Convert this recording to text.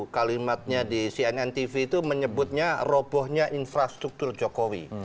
kalimatnya di cnn tv itu menyebutnya robohnya infrastruktur jokowi